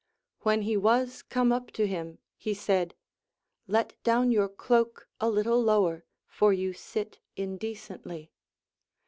When he Avas come up to him, he said : Let down your cloak a little lower, for you sit indecently.